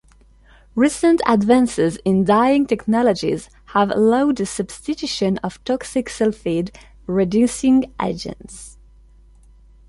Recent advances in dyeing technologies have allowed the substitution of toxic sulfide reducing agents.